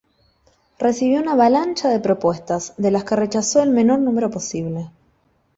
Recibió una avalancha de propuestas, de las que rechazó el menor número posible.